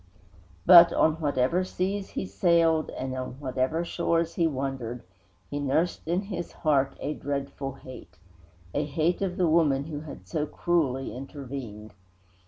But, on whatever seas he sailed, and on whatever shores he wandered, he nursed in his heart a dreadful hate a hate of the woman who had so cruelly intervened.